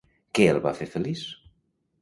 Què el va fer feliç?